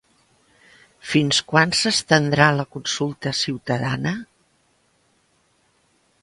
Fins quan s'estendrà la consulta ciutadana?